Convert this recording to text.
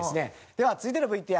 では続いてのＶＴＲ。